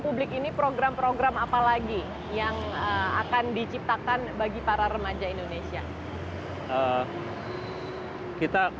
publik ini program program apa lagi yang akan diciptakan bagi para remaja indonesia kita